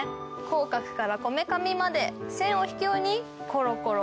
口角からこめかみまで線を引くようにコロコロ。